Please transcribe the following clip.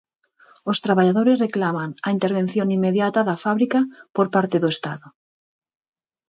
Os traballadores reclaman a intervención inmediata da fábrica por parte do Estado.